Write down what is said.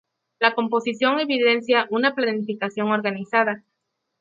La composición evidencia una planificación organizada.